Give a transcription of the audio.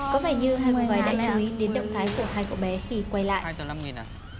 có vẻ như hai cô gái đã chú ý đến động thái của hai cậu bé khi quay lại